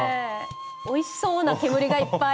おいしそうな煙がいっぱい。